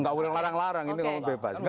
nggak boleh larang larang ini memang bebas